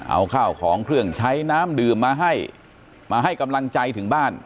เอาข้าวของเครื่องใช้น้ำดื่มมาให้มาให้กำลังใจถึงบ้าน